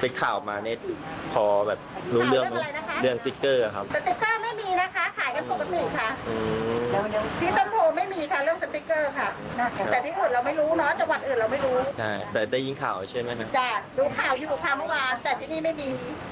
ดูข่าวอยู่กับค่าเมื่อวานแต่ที่นี่ไม่มี